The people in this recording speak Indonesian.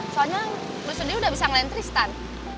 soalnya lo sendiri udah bisa ngelain tristan